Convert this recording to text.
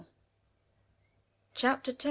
CHAPTER X.